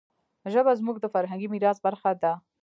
ژبه زموږ د فرهنګي میراث برخه ده.